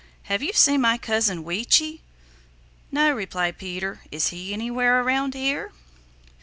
Have you seen my cousin, Weechi?" "No," replied Peter. "Is he anywhere around here?"